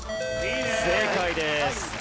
正解です。